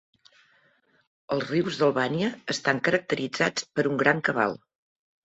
Els rius d'Albània estan caracteritzats per un gran cabal.